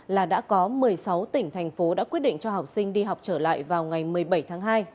là đã có một mươi sáu tỉnh thành phố đã quyết định cho học sinh đi học trở lại vào ngày một mươi bảy tháng hai